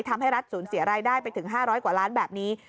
ทำให้รัฐศูนย์เสียรายได้ไปถึง๕๐๐กว่าล้านแบบนี้